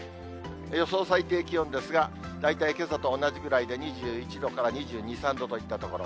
予想最低気温ですが、大体けさと同じぐらいで、２１度から２２、３度といったところ。